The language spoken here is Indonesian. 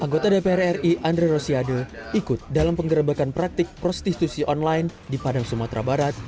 anggota dpr ri andre rosiade ikut dalam penggerebekan praktik prostitusi online di padang sumatera barat